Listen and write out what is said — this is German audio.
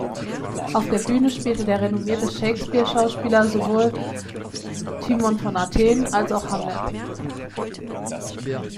Auf der Bühne spielte der renommierte Shakespeare-Schauspieler sowohl "Timon von Athen" als auch "Hamlet".